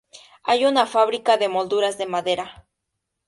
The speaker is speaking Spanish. Hay una fábrica de molduras de madera.